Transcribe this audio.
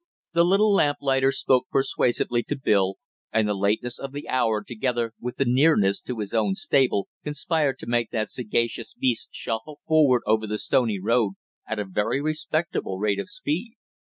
The little lamplighter spoke persuasively to Bill, and the lateness of the hour together with the nearness to his own stable, conspired to make that sagacious beast shuffle forward over the stony road at a very respectable rate of speed.